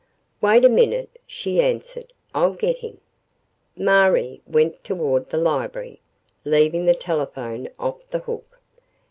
"Wait a minute," she answered. "I'll get him." Marie went toward the library, leaving the telephone off the hook.